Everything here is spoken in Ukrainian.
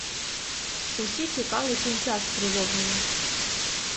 Усі чекали кінця з тривогою.